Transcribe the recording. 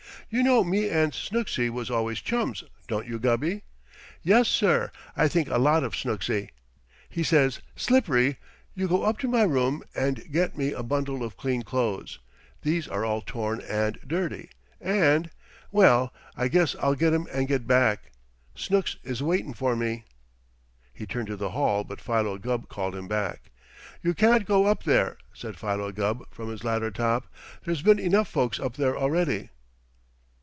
"You know me and Snooksy was always chums, don't you, Gubby? Yes, sir, I think a lot of Snooksy. He says, 'Slippery, you go up to my room and get me a bundle of clean clothes these are all torn and dirty, and ' Well, I guess I'll get 'em, and get back. Snooks is waitin' for me." He turned to the hall, but Philo Gubb called him back. "You can't go up there," said Philo Gubb, from his ladder top. "There's been enough folks up there already."